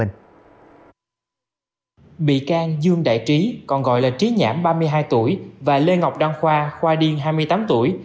bị can dương đại trí còn gọi là trí nhãm ba mươi hai tuổi và lê ngọc đăng khoa khoa điên hai mươi tám tuổi